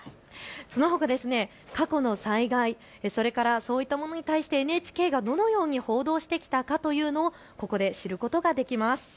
そのほか過去の災害、それからそういったものに対してＮＨＫがどのように報道してきたかというのをここで知ることができます。